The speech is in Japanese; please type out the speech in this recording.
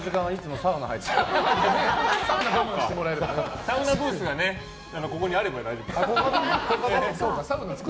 サウナブースがここにあれば大丈夫ですね。